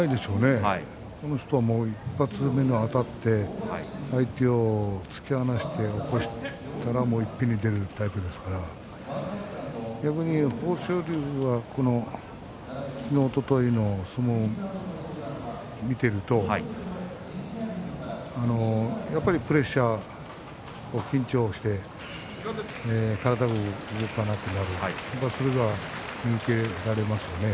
この人は１発目、あたって相手を突き放して起こしたらいっぺんに出るタイプですから逆に豊昇龍は昨日、おとといの相撲を見ているとやっぱりプレッシャー緊張して体が動かなくなるそれが見受けられますよね。